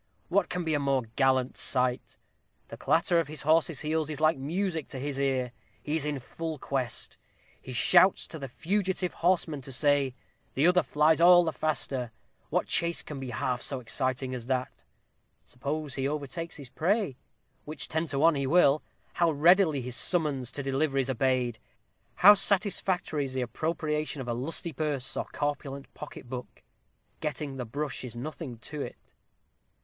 What can be a more gallant sight? The clatter of his horse's heels is like music to his ear he is in full quest he shouts to the fugitive horseman to stay the other flies all the faster what chase can be half so exciting as that? Suppose he overtakes his prey, which ten to one he will, how readily his summons to deliver is obeyed! how satisfactory is the appropriation of a lusty purse or corpulent pocket book! getting the brush is nothing to it.